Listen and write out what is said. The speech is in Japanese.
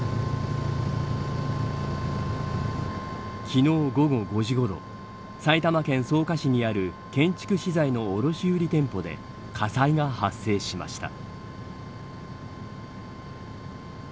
昨日、午後５時ごろ埼玉県草加市にある建築資材の卸売店舗で火災が発生しました。